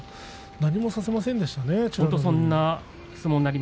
何もさせませんでしたね。